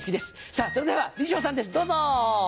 さぁそれでは鯉昇さんですどうぞ！